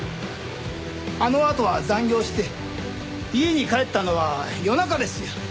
あのあとは残業して家に帰ったのは夜中ですよ。